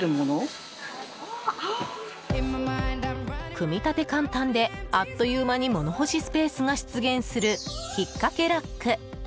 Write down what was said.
組み立て簡単であっという間に物干しスペースが出現する引っ掛けラック。